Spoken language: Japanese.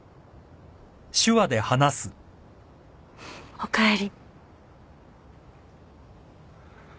おかえり。